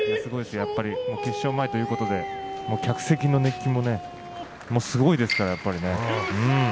やっぱり決勝前ということで客席の熱気もすごいですからね。